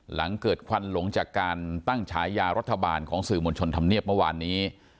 หลังเกิดควันหลงจากการตั้งฉายารัฐบาลของสื่อมวลชนธรรมเนียบเมื่อวานนี้